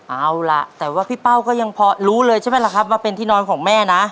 เอาล่ะแต่ว่าพี่เป้าก็ยังพอรู้เลยใช่ไหมล่ะครับว่าเป็นที่นอนของแม่นะ